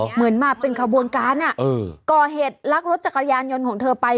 เหมือนมาเป็นขบวนการก่อเหตุลักรถจักรยานยนต์ของเธอไป